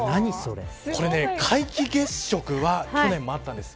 これ、皆既月食は去年もあったんです。